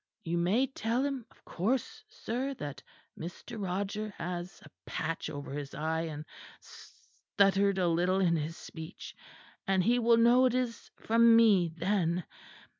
You may tell him, of course sir, that Mr. Roger had a patch over his eye and st stuttered a little in his speech; and he will know it is from me then.